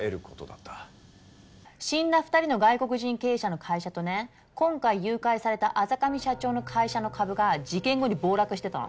死んだ２人の外国人経営者の会社とね今回誘拐された阿座上社長の会社の株が事件後に暴落してたの。